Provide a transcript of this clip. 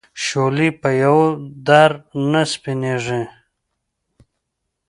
شولې په یوه در نه سپینېږي.